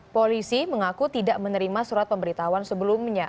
polisi mengaku tidak menerima surat pemberitahuan sebelumnya